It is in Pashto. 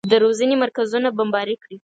د روزنې مرکزونه بمباري کړي.